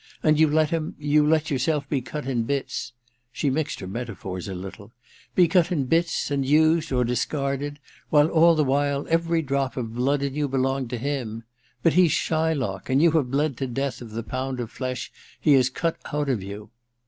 And you let him — you let yourself be cut in bits "— she mixed her meta phors a little —" be cut in bits, and used or dis carded, while all the while every drop of blood in you belonged to him ! But he's Shylock — he's Shylock — and you have bled to death of the pound of flesh he has cut out of you."